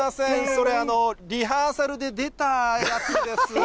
それ、リハーサルで出たやつですね。